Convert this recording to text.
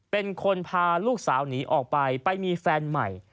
เป็นคนพาลูกสาวหนีออกไปไปมีแฟนใหม่